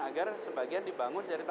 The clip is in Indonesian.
agar sebagian dibangun jadi pusat